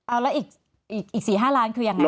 เอาแล้วอีก๔๕ล้านคือยังไง